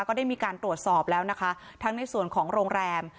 ก็ได้มีการตรวจสอบแล้วนะคะทั้งในส่วนของโรงแรม